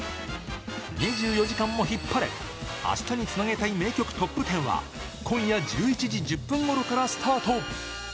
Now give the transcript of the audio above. ２４時間もヒッパレ、明日につなげたい名曲トップ１０は、今夜１１時１０分ごろからスタート。